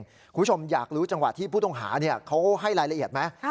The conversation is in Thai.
คุณผู้ชมอยากรู้จังหวะที่ผู้ต้องหาเขาให้รายละเอียดไหม